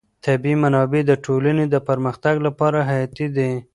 طبیعي منابع د ټولنې د پرمختګ لپاره حیاتي دي.